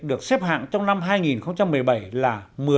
được xếp hạng trong năm hai nghìn một mươi bảy là một mươi